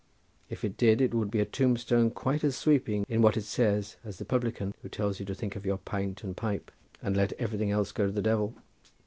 If it did it would be a tombstone quite as sweeping in what it says as the publican, who tells you to think of your pint and pipe and let everything else go to the devil.